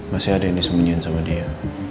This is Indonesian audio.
masih ada yang disembunyiin sama dia